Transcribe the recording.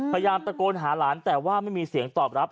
พยายามตะโกนหาหลานแต่ว่าไม่มีเสียงตอบรับ